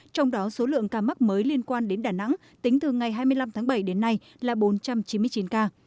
trong đó số lượng ca mắc mới liên quan đến đà nẵng tính từ ngày hai mươi năm tháng bảy đến nay là bốn trăm chín mươi chín ca